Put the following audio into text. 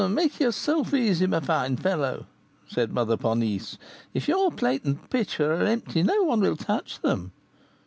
"Make yourself easy, my fine fellow," said Mother Ponisse; "if your plate and pitcher are empty, no one will touch them."